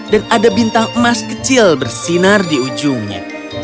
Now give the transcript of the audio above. dan ada bintang emas kecil bersinar di ujungnya